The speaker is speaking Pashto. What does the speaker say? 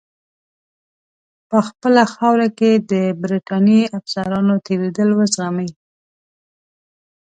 په خپله خاوره کې د برټانیې افسرانو تېرېدل وزغمي.